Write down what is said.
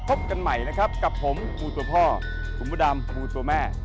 พบกันใหม่นะครับกับผมครูตัวพ่อคุณพระดำครูตัวแม่